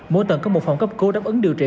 mỗi tầng có một phòng cấp cứu đáp ứng điều trị